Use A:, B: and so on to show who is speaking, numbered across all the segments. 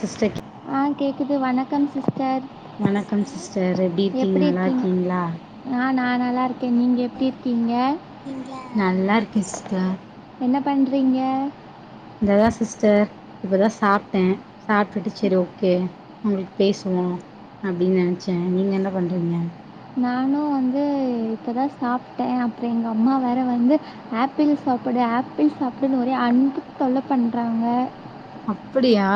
A: Sister
B: ஆ கேக்குது வணக்கம் சிஸ் டர்
A: வணக்கம் சிஸ்டர் எப்டி
B: எப்படி
A: நல்லா
B: இருக்கீங்க
A: இருக்கீங்களா
B: நா நானா நீங்க எப்படி இருக்கீங்க
A: நல்லா இருக்கே சிஸ்டர்
B: என்ன பண்றிங்க
A: அதா சிஸ்டர் இப்பதா சாப்ட்ட சாப்ட்டுட்டு செரி ஓகே உங்களுக்கு பேசுவோ அப்படின்னு நனச்ச நீங்க என்ன பண்றீங்க
B: நானு வந்து ம் இப்பதா சாப்ட்டே அப்புறம் எங்க அம்மா வேற வந்து ஆப்பிள் சாப்புடு ஆப்பிள் சாப்புடுனு ஒரே அன்புத் தொல்ல பண்றாங்க
A: அப்படியா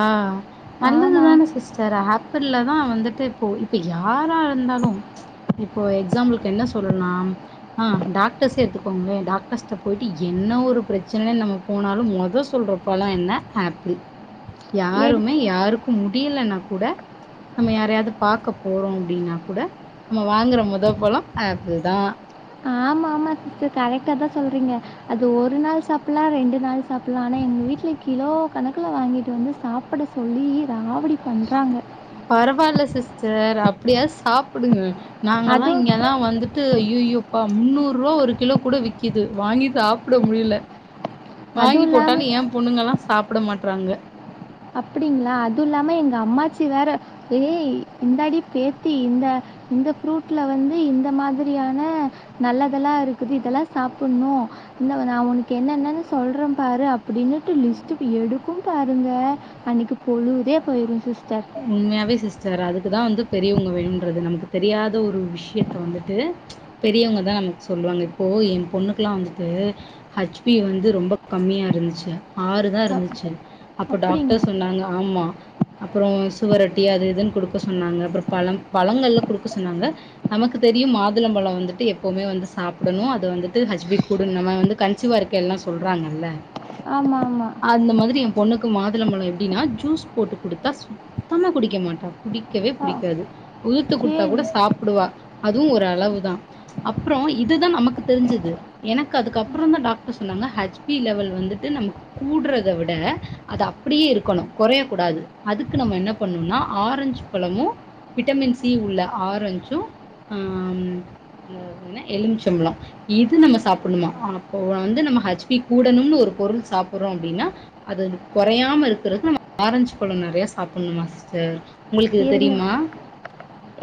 B: ஆமாம்
A: நல்லதுதானே சிஸ்டர் ஆப் பிள்லதா வந்துட்டு இப்போ இப்ப யாரா இருந்தாலு இப்போ எக்ஸாம்பிள்க்கு என்ன சொல்லணுன்னா ஆ டாக்டர்ஸே எடுத்துக்கோங்களே டாக்டர்ஸ்ட்ட போயிட்டு என் என்ன ஒரு பிரச்சன நம்ம போனாலும் மொதோ சொல்ற பழம் என்ன ஆப் பிள் யாருமே
B: எடுத்து
A: யாருக்கும் முடியலன்னா கூட நம்ம யாரையாவது பாக்கப் போறோம் அப்டின்னா கூட நம்ம வாங்குற மொதோ பழம் ஆப்பிள்தா
B: ஆமா ஆமா சிஸ்டர் கரெக்டாதா சொல்றீங்க அது ஒரு நாள் சாப்புலா ரெண்டு நாள் சாப்புலா ஆனா எங்க வீட்ல கிலோ கணுக்குல வாங்கிட்டு வந்து சாப்புட சொல்லி ராவடி பண்றாங்க
A: பரவாயில்ல சிஸ்டர் அப்பிடியாது சாப்புடுங்க நாங்கள்லா
B: அதுவும்
A: இங்கல்லா வந்துட்டு ஐய்யய்யோப்பா முன்னூறுவா ஒரு கிலோ கூட விக்கிது வாங்கி சாப்புட முடியல வாங்கி
B: அதுவும் இல்லாமல்
A: போட்டாலும் ஏ பொண்ணுங்கல்லா சாப்புட மாட்றாங்க
B: அப்பிடிங்களா அதுவு இல்லாம எங்க அம்மாச்சி வேற ஏய் இந்தாடி பேத்தி இந்த இந்த ஃப்ரூட்ல வந்து இந்த மாதிரியான நல்லதெல்லா இருக்குது இதெல்லா சாப்புணு இந்த வா நா ஒனக்கு என்னனென்னு சொல்ற பாரு அப்பிடினுட்டு லிஸ்ட்டு எடுக்கும் பாருங்க அன்னைக்கு பொழுதே போயிரு சிஸ்
A: உண்மையாவே சிஸ்டர் அதுக் குதா வந்து பெரியவங்க வேணுன்றது நமக்கு தெரியாத ஒரு விஷயத்த வந்துட்டு பெரியவங்கதா நமக்கு சொல் வாங்க இப்போ ஏ பொண்ணுக்கெல்லா வந்துட்டு ஹச் பி வந்து ரொம்ப கம்மியா இருந்துச்சு ஆறுதா
B: அ
A: இருந்துச்சு அப்போ டாக்டர்
B: அப்படிங்களா?
A: சொன்னாங்க ஆமா அப் அப்புற சுவரொட்டி அது இதுன்னு குடுக்க சொன்னாங்க அப்புற பழம் பழங்கள்லா குடுக்க சொன்னாங்க நமக்கு தெரியும் மாதுளம்பழ வந்துட்டு எப்போவுமே வந்து சாப்புடணு அது வந்துட்டு ஹச் பி கூட நம்ம வந்து கன்சிவா இருக்க எல்லா சொல்றா ஆ நல்ல
B: ஆமா ஆமா
A: பொண்ணுக்கு மாதுளம் பழம் எப்டின்னா ஜூஸ் போட்டு குடுத்தா சுத்தமா குடிக்க மாட்டா புடிக்கவே
B: ஆ
A: புடிக்காது உதுத்து குடுத்தா கூட
B: சரி.
A: சாப்புடுவா அதுவு ஒரு அளவுதா அப்புறம் இதுதா நமக்கு தெரிஞ்சது எனக்கு அதுக்குப்புறந்தா டாக்டர் சொன் ங்க ஹச் பி லெவல் வந்துட்டு நமக்கு கூடுறத விட அது அப்படியே இருக்கணு கொறைய கூடாது அதுக்கு நம்ம என்ன பண்ணுனா ஆரஞ்ச் பழமு விட்டமின் சி உள்ள ஆரஞ்சும் ஆ இந்த என்ன எலுமிச்சம்பழ இது நம்ம சாப்புட்ணுமா அப்போ வந்து நம்ம ஹச் பி கூடணும்னு ஒரு பொருள் சாப்புறோம் அப்பிடின்னா அது கொறையாம இருக்கறதுக்கு நம்ம ஆரஞ்சு நவாப்பழம் நெறைய சாப்புணுமா சிஸ்டர் உங்களுக்கு இது
B: இருங்க
A: தெரியுமா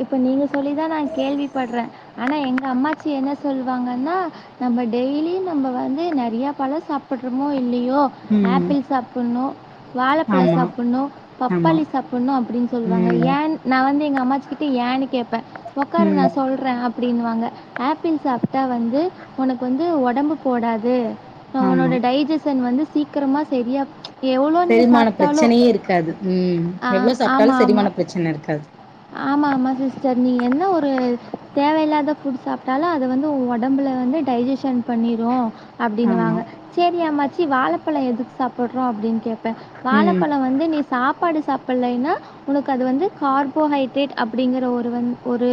B: இப்ப நீங்க சொல்லிதா நா கேள்விப்பட்ற ஆனா எங்க அம்மாச்சி என்ன சொல்லுவாங்கன்னா நம்ம டெய்லியும் நம்ம வந்து நெறையா பழ சாப்புடுறோமோ இல்லியோ
A: ம்
B: ஆப்பிள் சாப்புட்ணு வாழப்பழ
A: ஆமா
B: சாப்புட்ணு
A: ஆமா
B: பப்பாளி சாப்புட்ணு அப்டின் சொல்லுவாங்க
A: ம்
B: ஏன் நா வந்து எங்க அம்மாச்சிக்கிட்ட ஏன்னு கேப்ப ஒக்காரு நா
A: ம்
B: சொல்ற அப் பிடின்னுவாங்க ஆப்பிள் சாப்ட்டா வந்து ஒனக்கு வந்து உடம்பு போடாது ஆ
A: ஆமா
B: உன்னோட டைஜிசன் வந்து சீக்கிரமா செரியா எவ்ளோ நீ
A: செரிமான
B: சாப்ட்டாலோ
A: பிரச்சனையே இருக்காது ம் எவ்ளோ
B: ஆ ஆமா
A: சாப்ட்டாலு
B: ஆமா
A: செரிமான பிரச்சன இருக்காது
B: ஆமா ஆமா சிஸ்டர் நீ என்ன ஒரு தேவையில்லாத ஃபுட் சாப்ட்டாலும் அத வந்து ஒ ஒடம்புல வந்து டைஜிசன் பண்ணிரும்
A: ஆமா
B: அப்பிடின்னுவாங்க செரி அம்மாச்சி வாழப்பழ எதுக்கு சாப்புடுறோ அப்பிடின்னு கேப் ப
A: ம்
B: வாழப்பழ வந்து நீ சாப்பாடு சாப்புலைன்னா உனக்கு அது வந்து கார்போஹைட்ரேட் அப்பிடிங்கிற ஒரு வந்து ஒரு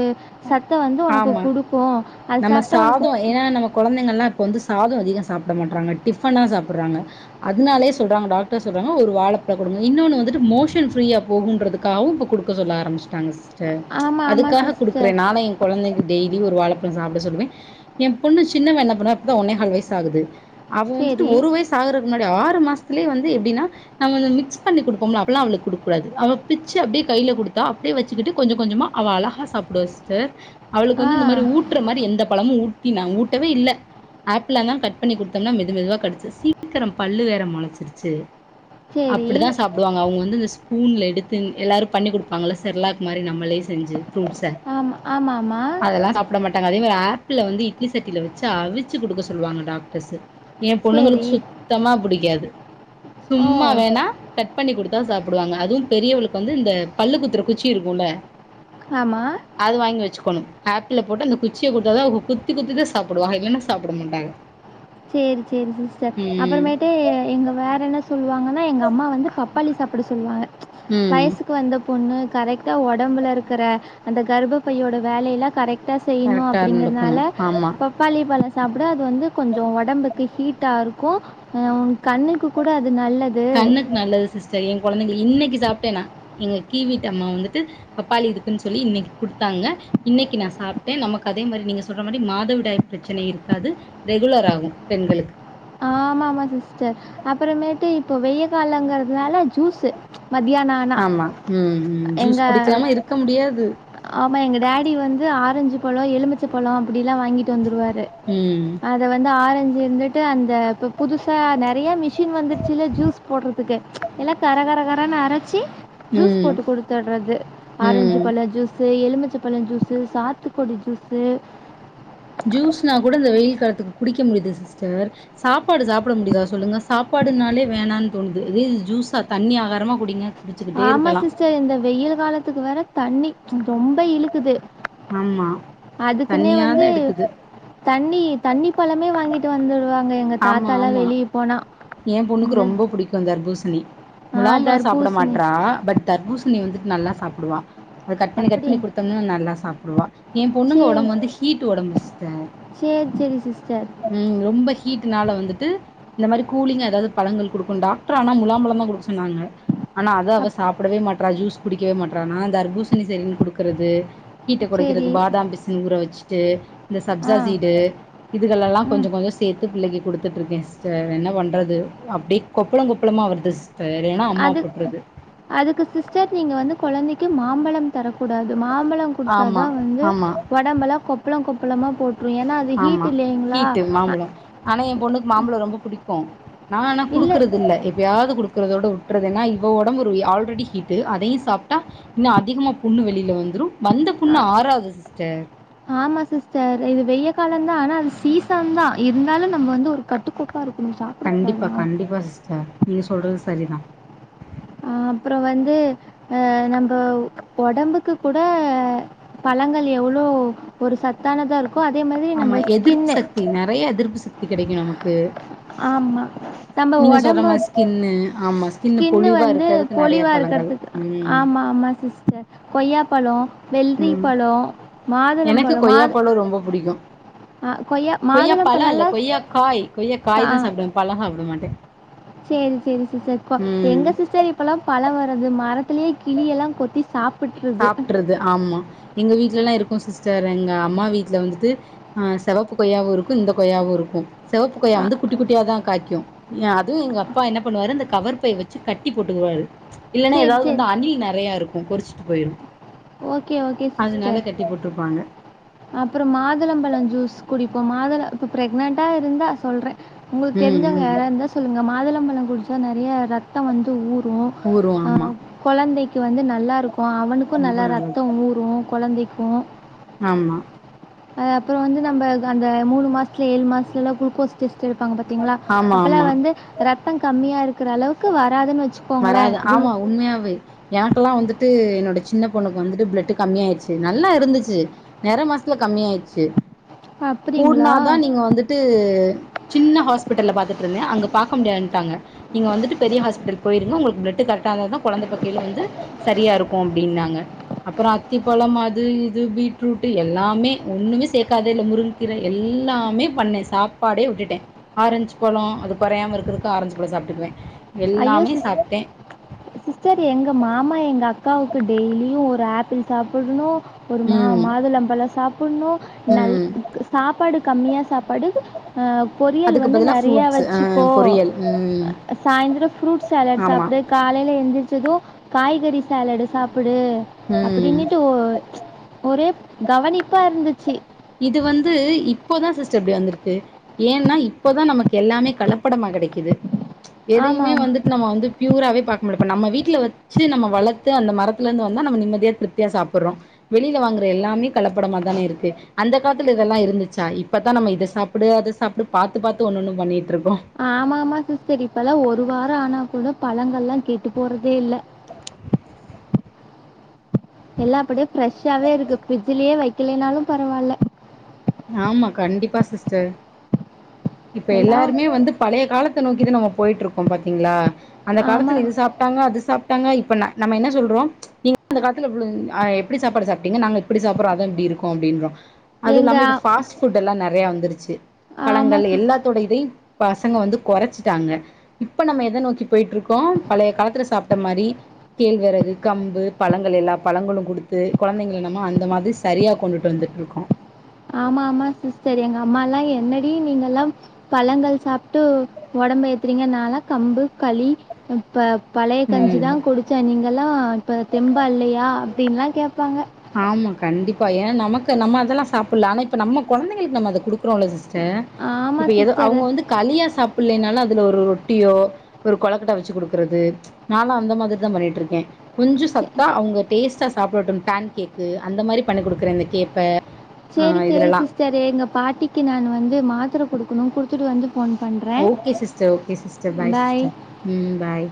B: சத்த வந்து ஒனக்கு
A: ஆமா
B: குடுக்கும் அது
A: நம்ம
B: சாப்ட்டா ஒனக்கு
A: சாத அதிக சாப்ட மாட்றாங்க டிஃபனா சாப்புறாங்க அதுனாலே சொல்றாங்க டாக்டர் சொல்றாங்க ஒரு வாழப்பழ கொடுக் இன்னொன்னு வந்துட்டு மோஷன் ஃப்ரீயா போகுன்றதுக்காகவு இப்ப குடுக்க சொல்ல ஆரம்பச்சுட்டாங்க சிஸ் டர்
B: ஆமா, ஆமா
A: அதுக்காக குடுக்குறே
B: சிஸ்டர்.
A: நானே ஏ கொழந்தைகளுக்கு டெய் டெய்லி ஒரு வாழப்பழம் சாப்புட சொல்லுவேன் என் பொண்ணு சின்னவ என்ன பண்ணுவா இப்பதா ஒன்னேகால் வயசு ஆகுது அவு வந்துட்டு
B: சரி.
A: ஒரு வயசு ஆகுறது முன்னா டே ஆறு மாஸ்த்துலே வந்து எப்டினா நா கொஞ்ச மிக்ஸ் பண்ணி குடுப்போம்ல அப்பில்லா அவ்ளுக் குடுக்கூடாது அவ பிச்சு அப்டே கை கைல குடுத்தா அப்டே வெச்சிக்கிட்டு கொஞ்ச கொஞ்சமா அவ அழகா சாப் டுவ் சிஸ்டர் அவுளுக்
B: ஆ.
A: வந்து இந்த மாரி ஊட்டுற மாரி எந்த பழமு ஊட்டி நா ஊட்டவே இல்ல ஆப்பிள் எல்லா கட் பண்ணி குடுத்தம்னா மெது மெதுவா கடிச்சு சீக்கிரம் பல்லு வேற மொளச்சிருச்சு
B: சரி.
A: அப்பிடிதா சாப்டுவாங்க அவுங் வந்திந்த ஸ் பூன்ல எடுத்து எல்லாரு பண்ணி குடுப்பாங்கள செர்லாக் மாரி நம்மளே செஞ்சி ஃப்ரூட்ஸ
B: ஆம் ஆமா ஆமா
A: அதெல்லா சாப்ட மாட்டாங்க அதே மார் ஆப்பிள வந்து இட்லி சட்டில வெச்சு அவிச்சு குடுக்க சொல்லுவாங்க டாக்டஸ்ஸு எ பொண்ணுங்களுக்
B: சரி.
A: சுத்தமா புடிக்காது
B: ஓ!
A: சும்மா வேணா கட் பண்ணி குடுத்தா சாப்புடுவாங்க அதுவு பெரியவளுக் வந்து இந்த பல்லு குத்துற குச்சி இருக்குல
B: ஆமா
A: அது வாய்ங் வெச்சுக்கனு ஆப்பிள போட்டு அந்த குச்சிய குட்தாதா அவ கு குத்தி குத்தி தா சாப்புடுவாங்க இல்லன்னா சாப்புட மாட்டாங்க
B: செரி செரி சிஸ்ட
A: ம்
B: அப்பறமேட்டு எ எங்க வேறென்ன சொல்லுவாங்கன்னா எங்க அம்மா வந்து பப்பாளி சாப்பிட சொல்லுவாங்க
A: ம்
B: வயசுக்கு வந்தப் பொண்ணு கரெக்டா ஒடம்புலருக்கிற அந்த கர்ப பையோட வேலயெல்லா கரெக் டா செய்யிணு
A: கரெக்டா நடக்கணு
B: அப்படிங்கற்னால
A: ஆமா
B: பப்பாளி பழ சாப்பிட அது வந்து கொஞ் சோ ஒடம்புக்கு ஹீட்டாருக்கு அ உனுக் கண்ணுக்கு கூட அது நல்லது
A: கண்ணுக்கு நல்லது சிஸ்டர் என் கொழந்தைங்க இன்னைக்கு சாப்ட்டேனா எங்க கீ வீட்டு அம்மா வந்துட்டு பப்பாளி இருக்குன் சொல்லி இன்னைக்கு குடுத்தாங்க இன் னிக்கு நா சாப்ட்டே நமக் அதே மாரி நீங்க சொல்ற மாரி மாதவிடாய் ப்ரெச்சன இருக்காது ரெகுலர் ஆகு பெண்க ளுக்
B: ஆமா ஆமா சிஸ்டர் அப்பறமேட்டு இப்போ வெய்ய காலங்கறத்னால ஜூஸு மத்தியானம் ஆனா.
A: ஆமா ம் ம்
B: எங்க
A: ஜூஸ் குடிக்காம இருக்க முடியாது
B: ஆமா எங்க டேடி வந்து ஆரஞ்சு பழோ எலுமிச்ச பழோ அப்புடிலா வாங்கிட்டு வந்துருவாரு
A: ம்
B: அத வந்து ஆரஞ்சு இருந்துட்டு அந்த இப்ப புதுசா நெறைய மிஷின் வந்துட்ச்சுல ஜூஸ் போட்றுதுக்கு எல்லா கரகரக ரனு அரச்சி ஜூஸ்
A: ம்
B: போட்டு குடுத்துட்றது ஆரஞ்சு
A: ம்
B: பழ ஜூஸு எ ல்ம்மிச்சபழ ஜூஸு சாத்துக்கொடி ஜூஸு
A: ஜூஸ்னா கூட இந்த வெயில் காலத்துக் குடிக்க முடிது சிஸ்டர் சாப்பாடு சாப்புட முடியுதா சொல்லுங்க சாப் பாடுனாலே வேணான் தோணுது அதே ஜூஸா தண்ணி ஆகாரமா குடிங்க குடிச்சுக்கிட்டே
B: ஆமா
A: இருக்கலா
B: சிஸ்ட இந்த வெயில் காலத்துக்கு வேற தண்ணி ம் ரொம்ப இழுக்குது
A: ஆமா
B: அதுக்குன்னே
A: தண்ணியாதா
B: வந்து
A: எடுக்குது
B: தண்ணி தண்ணி பழமே வாங்கிட் டு வந்துடுவாங்க எங்க தாத்தால்லா வெளிய போனா
A: எ பொண்ணுக்கு
B: இந்த
A: ரொம்போ புடிக்கு தர்பூசணி
B: ஆ
A: முலாம்பழ சாப்புட
B: தர்பூசணி
A: மாட்றா பட் தர்பூசணி வந்துட் நல்லா சாப்புடுவா அத் கட் பண்ணி கட்
B: அப்படி
A: பண்ணி குடுத்தோன்னா நல்லா சாப்புடுவா எ பொண்ணுங்க ஒடம்பு வந்து ஹீட்டு ஒடம்புங்க சிஸ்ட
B: செரி செரி
A: ம் ரொம்ப ஹீட்டுனால வந்துட்டு இந்த மாரி கூலிங்கா எதாவ்து பழங்கள் குடுக்குனு டாக்ரு ஆனா முலாம்பழம் தா குடுக் சொன்னாங்க ஆனா அத அவ
B: அப்
A: சாப்புடவே மாட்றா ஜூஸ் குடிக்கிவே மாட்றா நா தர்பூசணி செரின்னு குடுக்குறது ஹீட்ட கொறைக்கிறது
B: சரி
A: பாதாம் பிசின் ஊர வெச்சுட்டு இந்த
B: ஆ
A: சப்சா சீடு இதுகள்லெல்லா கொஞ்சு
B: ம்
A: கொஞ்சு சேத்து பிள்ளைக்ளுக் குடுத்துட்ருக்கே சிஸ்டர் என்ன பண்றது அப்டே கொப்ளோ கொப்பளமா வருது சி
B: அது அதுக்கு சிஸ்டர் நீங்க வந்து கொழந்தைக்கு மாம்பழம் தரக்கூடாது மாம்பழோ குடுத்தா
A: ஆமா
B: தா வந்து
A: ஆமா
B: ஒடம்பெலா கொப்பளோ கொப்பளமா போட்
A: ஆமா ஹீட்டு மாம்பழோ ஆனா எ பொண்ணுக் மாம்பழோ ரொம்ப புடிக்கு நா ஆனா
B: இல்லை
A: குடுக்குற தில்ல எப்பயாவ்து குடு க்குறதோட வுட்றது ஏன்னா இவ ஒடம்பொரு ஆல்ரெடி ஹீட்டு அதையு சாப்ட்டா இன்னு அதிகமா புண்ணு வெளில வந்துரு வந்த புண்ணு
B: ஆ-
A: ஆறாது சிஸ்டர்
B: ஆமாம் சிஸ்டர் இது வெய் காலம்ந்தான் ஆனால் அது சீசன் தான் இருந்தாலும் நம்ம வந்து ஒரு கட்டுக்கோ
A: கண்டிப்பா கண்டிப்பா சிஸ்டர் நீ சொல்றது சரிதான்
B: அப்புறம் வந்து ஹ நம்ம உடம்புக்கு கூட பழங்கள் எவ்வளோ ஒரு சத்தானதா இருக்
A: ஆமா எதிர்ப்பு சக்தி நிறைய எதிர்ப்பு சக்தி கிடைக்கும் நமக்கு
B: ஆமா நம்ப
A: நீங்க சொல்ற
B: உடம்பு
A: மாரி ஸ்கின்னு ஆமா
B: ஸ்கின்னு
A: பொலிவா
B: வந்து
A: இருக்கறதுக்கு நெறைய
B: பொலிவா
A: பழங்கள்
B: இருக்கிறதுக்கு
A: ம்
B: ஆமா ஆமா சிஸ்டர் கொய்யாப் பழோ வெள்ளரி
A: ம்
B: பழோ
A: எனக்கு கொய்யாப் பழோ ரொம்ப புடிக்கும்
B: ஆ
A: கொய்யா பழ இல்ல
B: மாதுளம்பழம்லாம்
A: கொய்யா காய் கொய்யா காய் தான் சாப்பிட பழ சாப்பிட மாட்டே
B: சேரி சேரி சிஸ்டர்
A: ம்
B: எங்க சிஸ்டர் இப்பல்லாம் பழம் வருரது மரத்திலேயே கிளி எல்லாம் கொத்திஸ்
A: சாப்டறது ஆமா எங்க வீட்டு்ல எல்லாம் இருக்கு சிஸ்டர் எங்க அம்மா வீட்டுல வந்துட்டு ஆஹ் செவப்பு கொய்யாவும் இருக்கும் இந்த கொய்யாவும் இருக்கும் சிவப்பு கொய்யா
B: ஆ
A: வந்து குட்டி குட்டியா தான் காய்கும். அதுவும் எங்க அப்பா என்ன பண்ணுவாரு இந்த கவர் பை வச்சு கட்டி போட்டுக்குவாரு இல்லன்னா
B: சரி
A: ஏதாவது வந்து
B: சரி
A: அணில் நிறைய இருக்கும் கொறிச்சிட்டு போயிரும்
B: ஓகே ஓகே
A: அதனால
B: சிஸ்டர்
A: கட்டி போட்டுருப்பாங்க
B: அப்புறம் மாதுளம்பழம் ஜூஸ் குடிப்போம் மாதுள இப்போ ப்ரெக்னன்ட்டாக இருந்தால் சொல்றேன் உங்களுக்கு
A: ம்
B: தெரிஞ்சவங்க
A: ம்
B: யாராவ இருந்தா சொல்லுங்க மாதுளம்பழம் குடிச்சா நிறைய ரத்தம் வந்து ஊர் ரு
A: ஊரு ஆமா
B: கொழந்தை வந்து நல்லா இருக்கும் அவனுக்கும்
A: ரொம்ப
B: நல்ல
A: நல்லது
B: ரத்தம் ஊரும். குழந்தைக்கும்.
A: ஆமா.
B: ஆ அப்புறம் வந்து நம்ம அந்த மூணு மாசத்துல ஏழு மாசத்துல எல்லா குளுக்கோஸ் டெஸ்ட் எடுப்பாங்க பாத்தீங்களா
A: ஆமா
B: அப்பல்லா
A: ஆமா
B: வந்து ரத்தம் கம்மியா இருக் கிற அளவுக்கு வராதுன்னு வச்சுக்கோங்களேன்
A: வராது
B: குளு
A: ஆமா உண்மையாவே எனக்கெல்லா வந்துட்டு என்னோட சின்ன பொண்ணுக்கு வந்துட்டு பிளட் கம்மி ஆயிடுச்சு நல்லா இருந்துச்சு நிற மாசல கம்மியாயி ச்சு
B: அப்படிங்களா
A: கூட்னாதான் நீங்க வந்துட்டு சின்ன ஹாஸ்பிட்டல்ல பாத்துட்டு இருந்தே அங்கப் பார்க்க முடியாதுன்ட்டாங்க நீங்க வந்துட்டு பெரிய ஹாஸ்பிட்டல் போயிருங்க உங்களுக்கு பிளட்டு கரெக்ட இருந்த தான் குழந்தைப்பேக்கையில வந்து சரியா இருக்கும் அப்படின்னாங்க அப்புறம் அத்திப்பழம் அது இது பீட்ரூட் எல்லாமே ஒண்ணுமே சேர்க்காதே இல்ல முருங்கைக்கீரை எல் லாமே பண்ணேன் சாப்பாடே விட்டுட்டேன் ஆரஞ்சு பழம் அது குறையாம இருக்கிறதுக்கு ஆரஞ்சு பழம் சாப் டுக்குவேன்.
B: ஐயோ சிஸ் சிஸ்டர் எங்க மாமா எங்க அக் காவுக்கு டெய்லியும் ஒரு ஆப்பிள் சாப்பிடணும் ஒரு மா
A: ம்
B: மாதுளம்பழம் சாப்பிடணும். நல்
A: ம்
B: சாப்பாடு கம்மியா சாப் படு பொரியல்
A: அதுக்கு
B: வந்து
A: பதிலா
B: நிறைய
A: ஃப்ரூட்ஸ் ஆ
B: வச்சுக்கோ
A: பொரியல் ம்
B: சாயந்திரம் சாலட்
A: ஆமா
B: சாப்பிடு காலையில எந்திரிச்சதோ காய்கறி சாலாடு் சாப் டு
A: ம்
B: அப்படின்னுட்டு ஒரே கவனிப்பா இருந்துச்சு
A: இது வந்து இப்போதான் சிஸ்டர் இப்படி வந்திருக்கு ஏன்னா இப்போதான் நமக்கு எல்லாமே கலப் படமா கிடைக்குது எதையுமே
B: ஆமாம்.
A: வந்துட்டு நம்ம வந்து பியூராவே பாக் ம்லப்ப நம்ம வீட்டுல வெச்சி நம்ம வளர்த்து அந்த மரத்தல இருந்து வந்தா நம நிம்மதியா திருப்தியா சாப்பிடுறோம் வெளில வாங்க ர எல்லாமே கலப்படமா தானே இருக்கு. அந்த காலத்துல இதெல்லாம் இருந்துச்சா இப்பதான் நம்ம இதை சாப்பிடு அதை சாப்பிடு பாத்து பாத்து ஒன்னு ஒன்னு பண்ணிட்
B: ஆமா ஆமா சிஸ்டர் இப்பல்லாம் ஒரு வாரம் ஆனா கூட பழங்கள் எல்லாம் கெட்டு போறதே இல்ல
A: [inaudible]
B: எல்லாப்படியே ஃப்ரெஷ்ஷாவே இருக்கு பிரஃப்ரிட்ஜ்லயே வைக்கலனாலும் பரவாயில்ல
A: ஆமா கண்டிப்பா சிஸ்டர் இப்ப
B: ஹலோ
A: எல்லாருமே வந்து பழைய காலத் நோக்கிதுான் நம்ம போயிட்டு இருக்கோம் பாத்தீங்களா அந்த காலத்தில்
B: ஆமாம்
A: இது சாப்பிட்டாங்க அது சாப்ட்டாங்க இப்ப ந நம்ம என்ன சொல்றோ நீங்க அந்த காலத்ல இவ்ளோ ஆ எப்டி சாப்பாடு சாப்ட்டீங்க நாங்க எப்டி சாப்புறோ அத எப்டி இருக்கு அப்டின்றோ
B: எங்க
A: பாஸ்புட் எல்லா நெறைய வந்துருச்சி
B: ஆமாம்
A: பழங்கள்
B: சிஸ்
A: எல்லாத்தோடை இதை பசங்க வந்து கொறச்சிட்டாங்க இப்ப நம்ம எத நோக்கி போய்ட்டுருக்கோ பழைய காலத்துல சாப்ட்ட மாரி கேழ் வெறகு கம்பு பழங்கள் எல்லா பழங்களு குடுத்து கொழந்தைங்கள நம்ம அந்த மாதிரி சரியா கொண்டுட் வந் துட்ருக்கோ
B: ஆமா ஆமா சிஸ்டர் எங்க அம்மாலா என்னடி நீங்கல்லா பழங்கள் சாப்ட்டு ஒடம் ப ஏத்துறீங்க நாலா கம்பு களி உப்ப பழைய கஞ்சி தா
A: ம்
B: குடிச்சே நீங்கெல்லா இப்ப தெம்பா இல்லையா அப்டின்ல்லா கேப்பாங்க
A: ஆமா கண்டிப்பா ஏனா நமக்கு நம்ம அதெல்லா சாப்பில்லா ஆனா இப்ப நம்ம கொழந்தைகளுக்கு நம்ம அத குடுக்கறோ இல்ல சிஸ் ச்ச இப்ப
B: ஆமாம்
A: ஏதோ
B: சிஸ்டர்
A: அவுங்க வந்து கலியா சாப் பிள்ளைனால அதுல ஒரு ரொட்டியோ ஒரு கொழக்கட்டா வச்சு குடுக்கறது நானு அந்த மாதிரிதா பண்ணிட்ருக்கே கொஞ்சோ சத்தா அவுங்க டேஸ்ட்டா சாப்டட்டு பேன் கேக்கு அந்த மாரி பண்ணி குடுக்குற இந்த கேப்ப ஆ
B: செரி செரி
A: இதுலலா
B: சிஸ்டரு எங்க பாட்டிக்கு நான் வந்து மாத்திர குடுக்குனு குடுத்துட்டு வந்து ஃபோன் பண்ணுறேன்
A: okay sister okay sister bye sister ம் பாய்